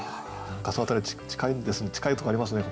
その辺り近いとこありますね